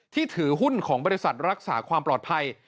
ถือหุ้นของบริษัทรักษาความปลอดภัย